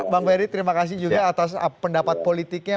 bang ferry terima kasih juga atas pendapat politiknya